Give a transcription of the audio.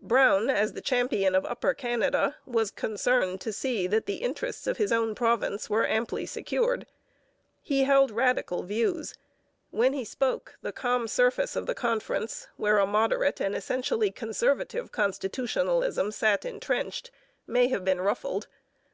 Brown, as the champion of Upper Canada, was concerned to see that the interests of his own province were amply secured. He held radical views. When he spoke, the calm surface of the conference, where a moderate and essentially conservative constitutionalism sat entrenched, may have been ruffled.